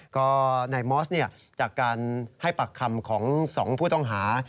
ก็นายมอสจากการให้ปากคำของ๒ผู้ต้องหา